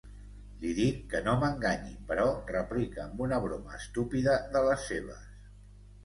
Li dic que no m'enganyi, però replica amb una broma estúpida de les seves.